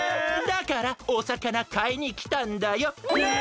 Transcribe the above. だからおさかなかいにきたんだよ。ね！